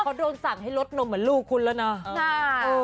เขาโดนสั่งให้ลดนมเหมือนลูกคุณแล้วนะ